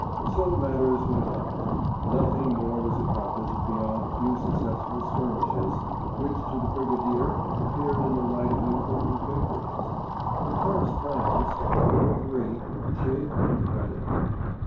So matters went on. Nothing more was accomplished beyond a few successful skirmishes, which to the Brigadier appeared in the light of important victories. The correspondents, there were three, chafed and fretted.